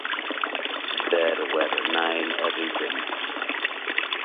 There were nine regions.